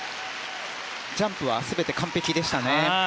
ジャンプは全て完璧でしたね。